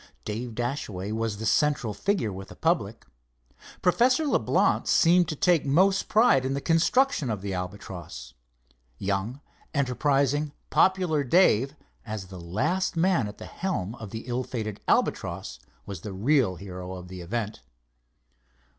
Dave Dashaway was the central figure with the public. Professor Leblance seemed to take most pride in the construction of the Albatross. Young, enterprising, popular, Dave, as the last man at the helm of the ill fated Albatross, was the real hero of the event.